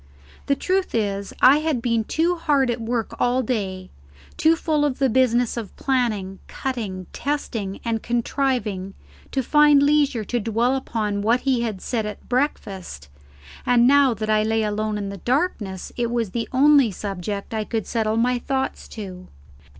The truth is, I had been too hard at work all day, too full of the business of planning, cutting, testing, and contriving, to find leisure to dwell upon what he had said at breakfast, and now that I lay alone in darkness it was the only subject I could settle my thoughts to.